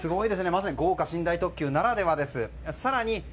まさに豪華寝台特急ならではです。